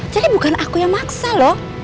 jadi bukan aku yang maksa loh